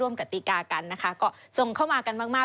ร่วมกับตีกากันนะคะก็ส่งเข้ามากันมาก